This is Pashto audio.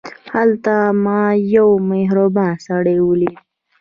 هلته ما یو مهربان سړی ولید.